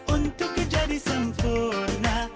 untuk kejadi sempurna